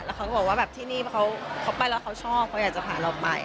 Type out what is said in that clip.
เขาก็บอกว่าแบบที่นี่เขาไปแล้วเขาชอบเขาอยากจะพาเราไป